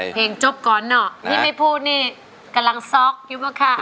จบก่อนเนอะที่ไม่พูดนี่กำลังซ็อกอยู่ป่ะคะ